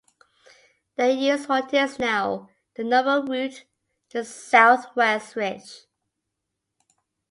They used what is now the normal route, the south-west ridge.